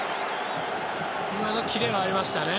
今のキレはありましたね。